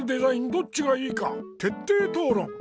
どっちがいいかてっていとうろん！